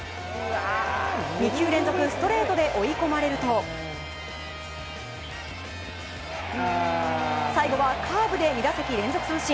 ２球連続ストレートで追い込まれると最後はカーブで２打席連続三振。